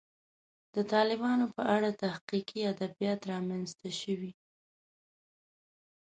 د طالبانو په اړه تحقیقي ادبیات رامنځته شوي.